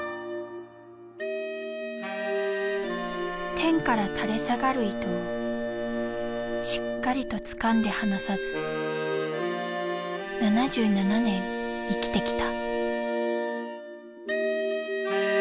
天から垂れ下がる糸をしっかりとつかんで離さず７７年生きてきた。